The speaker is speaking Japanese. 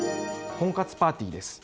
婚活パーティーです。